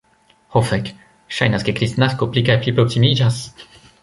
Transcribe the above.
Ho fek, ŝajnas ke Kristnasko pli kaj pli proksimiĝas.